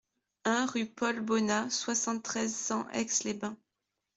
un rue Paul Bonna, soixante-treize, cent, Aix-les-Bains